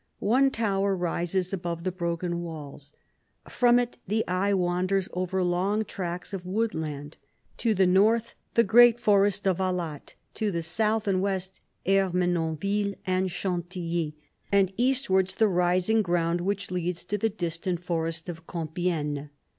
One tower rises above the broken walls. From it the eye wanders over long tracks of woodland. To the north the great forest of Hallate, to the south and west Ermenonville and Ohantilly, and eastwards the rising ground which leads to the distant forest of Compiegne.